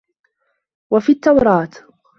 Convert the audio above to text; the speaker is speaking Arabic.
وَفِي التَّوْرَاةِ